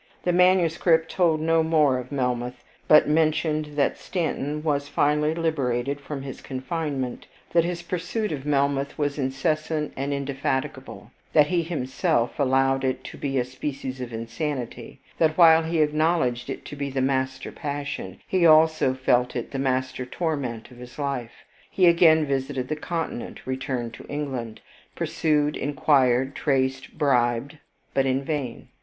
The manuscript told no more of Melmoth, but mentioned that Stanton was finally liberated from his confinement, that his pursuit of Melmoth was incessant and indefatigable, that he himself allowed it to be a species of insanity, that while he acknowledged it to be the master passion, he also felt it the master torment of his life. He again visited the Continent, returned to England, pursued, inquired, traced, bribed, but in vain.